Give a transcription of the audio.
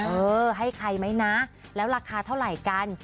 เออให้ใครไหมนะแล้วราคาเท่าไหร่กัน